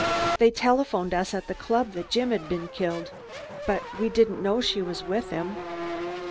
They telephoned us at the club that Jim had been killed, but we didn't know she was with him."